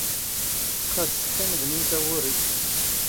ⵇⵇⴰⴷ ⵜⵇⵇⵉⵎⴷ ⵎⵉⵏ ⵜⴰⵡⵓⵔⵉ.